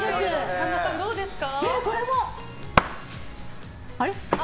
神田さん、どうですか？